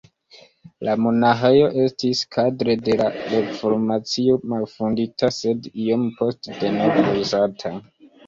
La monaĥejo estis kadre de la Reformacio malfondita, sed iom poste denove uzata.